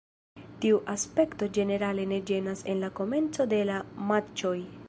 Tiu aspekto ĝenerale ne ĝenas en la komenco de la matĉoj.